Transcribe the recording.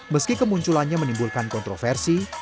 meski kemunculannya menimbulkan kontroversi